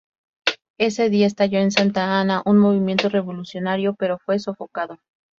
Ese día estalló en Santa Ana un Movimiento Revolucionario, pero fue sofocado.